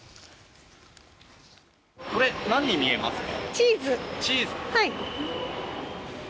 これ、何に見えますか？